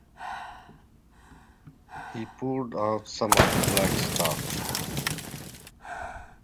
He poured out some of the black stuff.